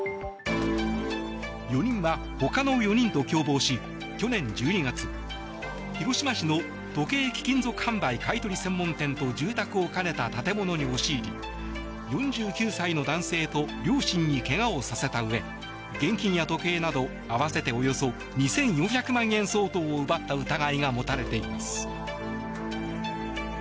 ４人はほかの４人と共謀し去年１２月広島市の時計貴金属販売買い取り専門店と住宅を兼ねた建物に押し入り４９歳の男性と両親に怪我をさせたうえ現金や時計など合わせておよそ２４００万円相当を奪った疑いが持たれています。